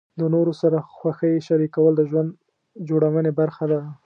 د نورو سره خوښۍ شریکول د ژوند جوړونې برخه ده.